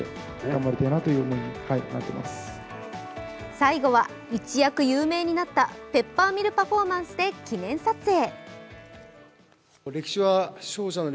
最後は、一躍有名になったペッパーミルパフォーマンスで記念撮影。